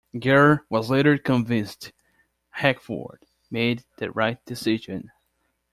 Gere was later convinced Hackford made the right decision.